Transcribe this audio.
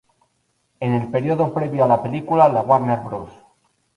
En el período previo a la película, la Warner Bros.